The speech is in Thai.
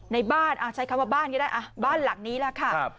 ในบ้านใช้คำว่าบ้านก็ได้บ้านหลังนี้ล่ะค่ะ